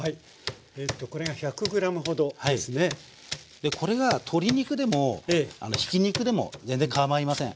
でこれが鶏肉でもひき肉でも全然かまいません。